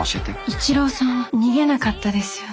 一郎さんは逃げなかったですよね。